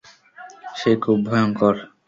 সে খুব ভয়ংকর।